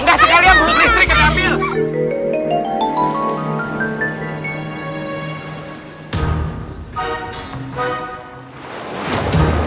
enggak sekalian blok listrik kena ambil